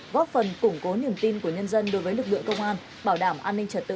góp phần củng cố niềm tin của nhân dân đối với lực lượng công an bảo đảm an ninh trật tự ở địa phương